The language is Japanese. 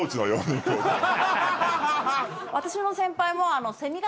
私の先輩も。